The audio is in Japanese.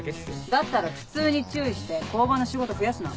だったら普通に注意して交番の仕事増やすな。